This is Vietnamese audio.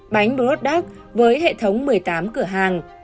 bánh brood dark với hệ thống một mươi tám cửa hàng